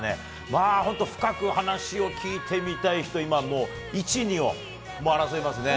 まあ本当、深く話を聞いてみたい人、もう、１、２を争いますね。